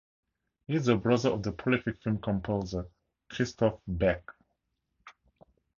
He is a brother of the prolific film composer Christophe Beck.